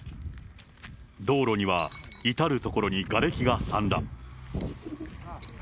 道路には、至る所にがれきが散乱。